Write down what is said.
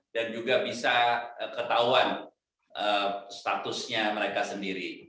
dan juga bisa ketahuan statusnya mereka sendiri